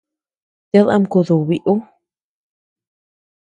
Ted ama kudubi ú.